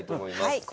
はい。